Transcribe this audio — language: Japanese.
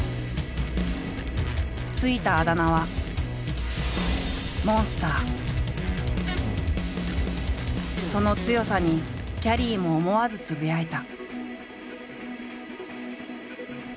付いたあだ名はその強さにきゃりーも思わずつぶやいた。